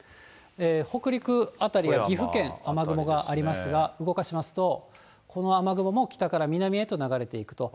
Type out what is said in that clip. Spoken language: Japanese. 北陸辺りや岐阜県、雨雲がありますが、動かしますと、この雨雲も北から南へと流れていくと。